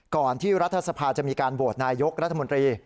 ก่อนที่รัฐสภาจะมีการโหวตนายกรัฐมนตรี